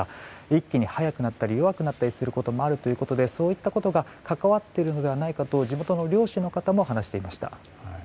一気に速くなったり弱くなったりすることもあるということでそういうことが関わっているのではと地元の漁師の方も話していました。